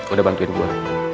udah bantuin gue